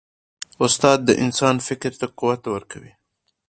استاد د انسان فکر ته قوت ورکوي.